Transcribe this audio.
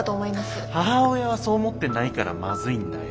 母親はそう思ってないからまずいんだよ。